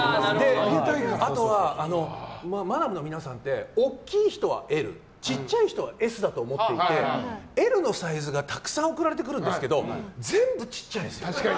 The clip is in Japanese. あとはマダムの皆さんって大きい人はＬ小さい人はＳだと思っていてＬのサイズがたくさん送られてくるんですけど全部小さいんですよ。